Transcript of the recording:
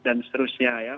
dan seterusnya ya